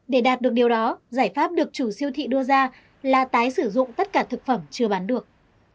để đạt được điều đó giải pháp được chủ siêu thị đưa ra là tái sử dụng tất cả thực phẩm chưa bán được